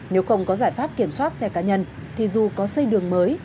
nếu không có giải pháp kiểm soát xe cá nhân thì dù có xây đường mới